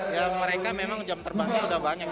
ya mereka memang jam terbangnya udah banyak